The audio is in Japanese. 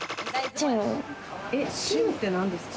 チムって何ですか？